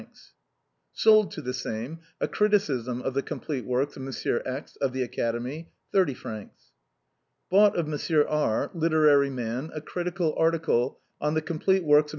*' Sold to the same, a criticism of the complete works of M, X , of the Academy. 30 fr. " Bought of M. R , literary man, a critical article on the complete works of M.